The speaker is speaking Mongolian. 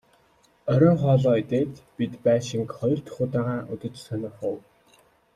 Оройн хоолоо идээд бид байшинг хоёр дахь удаагаа үзэж сонирхов.